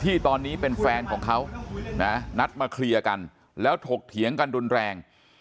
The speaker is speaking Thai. ที่ตอนนี้เป็นแฟนของเขานะนัดมาเคลียร์กันแล้วถกเถียงกันรุนแรง